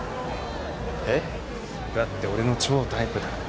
えっ？だって俺の超タイプだから。